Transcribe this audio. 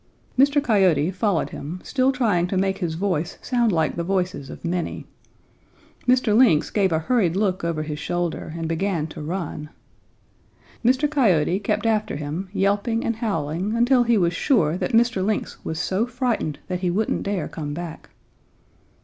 "Mr. Coyote followed him, still trying to make his voice sound like the voices of many. Mr. Lynx gave a hurried look over his shoulder and began to run. Mr. Coyote kept after him, yelping and howling, until he was sure that Mr. Lynx was so frightened that he wouldn't dare come back.